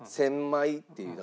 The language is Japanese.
「１０００枚」っていう。